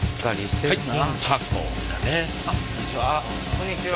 こんにちは。